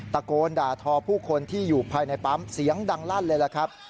ตะโกนด่าทอผู้คนที่อยู่ภายในปั๊มเสียงดังลั่นเลยล่ะครับ